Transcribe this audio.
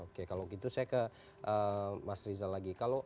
oke kalau gitu saya ke mas rizal lagi